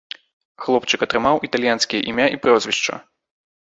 Хлопчык атрымаў італьянскія імя і прозвішча.